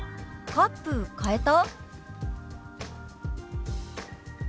「カップ変えた？」。